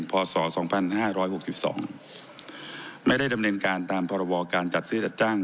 ภอสรสองพันห้าร้อยหกสิบสองไม่ได้ดำเนียนการตามพรวการจัดซื้อแต่จ้าง